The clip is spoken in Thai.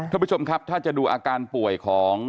ท่านผู้ชมครับถ้าจะดูอาการป่วยของ